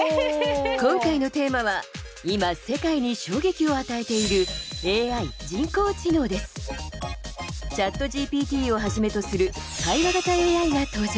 今回のテーマは今世界に衝撃を与えているＣｈａｔＧＰＴをはじめとする対話型ＡＩが登場。